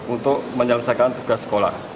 untuk menyelesaikan tugas sekolah